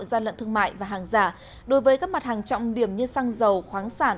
gian lận thương mại và hàng giả đối với các mặt hàng trọng điểm như xăng dầu khoáng sản